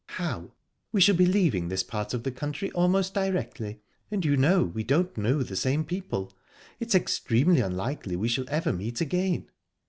"How? We shall be leaving this part of the country almost directly, and you know we don't know the same people. It's extremely unlikely we shall ever meet again."